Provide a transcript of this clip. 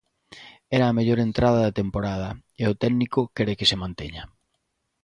Era a mellor entrada da temporada, e o técnico quere que se manteña.